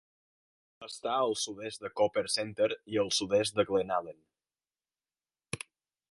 Està al sud-est de Copper Center i al sud-est de Glennallen.